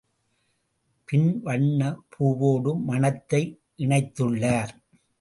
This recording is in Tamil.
பின் வண்ணப் பூவோடு மணத்தை இணைத்துள்ளார்.